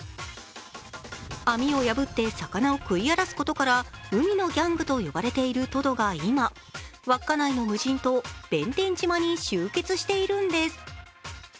網を破って魚を食い荒らすことから海のギャングと呼ばれているトドが今、稚内の無人島、弁天島に集結しているんです。